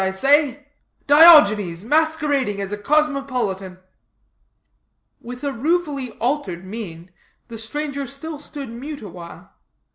I say Diogenes masquerading as a cosmopolitan." With ruefully altered mien, the stranger still stood mute awhile.